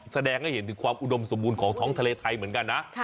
แสดงให้เห็นถึงความอุดมสมบูรณ์ของท้องทะเลไทยเหมือนกันนะ